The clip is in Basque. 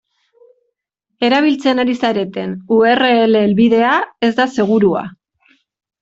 Erabiltzen ari zareten u erre ele helbidea ez da segurua.